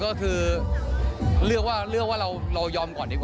ค่ะแต่สุดท้ายแล้วพี่มอสบอก